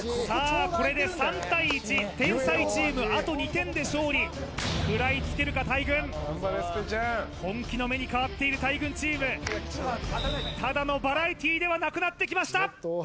さあこれで３対１天才チームあと２点で勝利食らいつけるか大群本気の目に変わっている大群チームただのバラエティーではなくなってきました